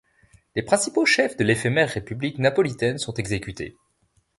Les principaux chefs de l'éphémère république napolitaine sont exécutés.